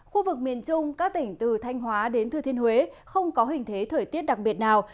khu vực miền trung các tỉnh từ thanh hóa đến thừa thiên huế không có hình thế thời tiết đặc biệt nào